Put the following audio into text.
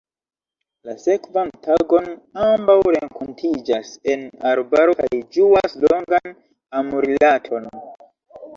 La sekvan tagon, ambaŭ renkontiĝas en arbaro kaj ĝuas longan amrilaton.